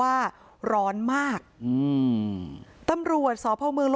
อาบน้ำเป็นจิตเที่ยว